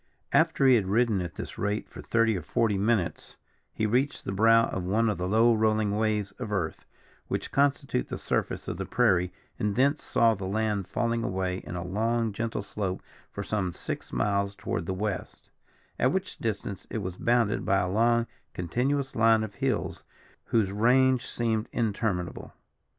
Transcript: After he had ridden at this rate for thirty or forty minutes, he reached the brow of one of the low rolling waves of earth, which constitute the surface of the prairie, and thence saw the land falling away in a long gentle slope for some six miles toward the west, at which distance it was bounded by a long continuous line of hills, whose range seemed interminable.